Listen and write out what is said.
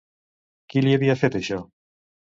Qui li havia fet això?